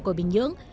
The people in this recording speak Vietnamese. của bình nhưỡng